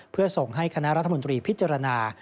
เพื่อส่งให้คณะรัฐมนตรีพิจารณา